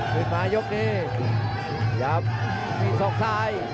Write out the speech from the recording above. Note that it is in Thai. ลำนี้เฝ้นอย่างเหมือนมี๒ซ้าย